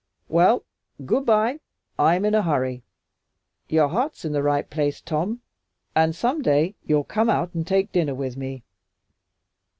Well, goodbye, I'm in a hurry. Your heart's in the right place, Tom, and some day you'll come out and take dinner with me.